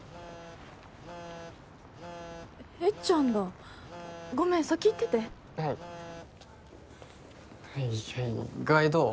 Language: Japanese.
えっちゃんだごめん先行っててはいはいはい具合どう？